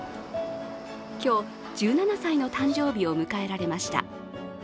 今日、１７歳の誕生日を迎えられました。